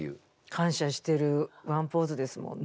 感謝してるワンポーズですもんね。